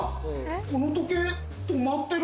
この時計止まってるよ？